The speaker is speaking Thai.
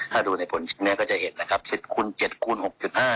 ถ้าดูเนี่ยก็เห็นครับ๑๐คูณ๗คูณ๖๕